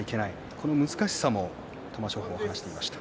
その難しさを玉正鳳話していました。